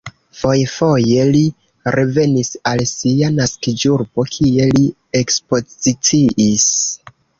Foje-foje li revenis al sia naskiĝurbo, kie li ekspoziciis.